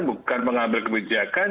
bukan pengambil kebijakan